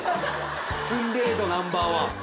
ツンデレ度ナンバーワン。